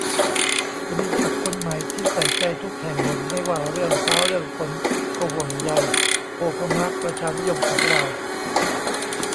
"จะมีสักคนไหมที่ใส่ใจทุกแห่งหนไม่ว่าเรื่องฟ้าเรื่องฝนก็ห่วงใย" โอ้พ่อมาร์คประชานิยมของเรา